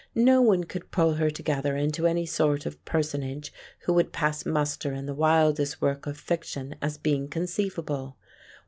No one could pull her together into any sort of personage who would pass muster in the wildest work of fiction as being conceivable.